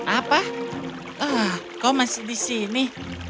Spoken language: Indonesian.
apa kau masih di sini